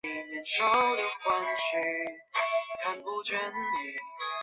此引理可以视为是稳定性理论李亚普诺夫方程的推广。